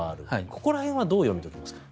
ここら辺はどう読み解きますか。